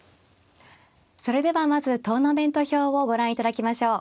それではまずトーナメント表をご覧いただきましょう。